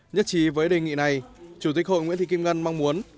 nhất trí với đề nghị này chủ tịch hội nguyễn thị kim ngân mong muốn